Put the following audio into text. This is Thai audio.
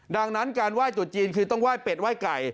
ดังนั้นการไหว้ตุจีนคือต้องไห้เป็ดไห้ไก่